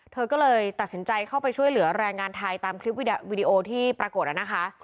เธอก็เลยตัดสินใจเข้าไปช่วยเหลือแรงงานไทยตามคลิปวิดีโอที่ปรากฏนะคะ